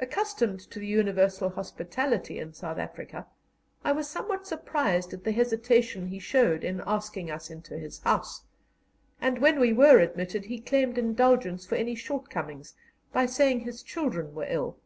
Accustomed to the universal hospitality in South Africa, I was somewhat surprised at the hesitation he showed in asking us into his house, and when we were admitted he claimed indulgence for any shortcomings by saying his children were ill.